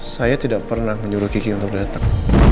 saya tidak pernah menyuruh kiki untuk datang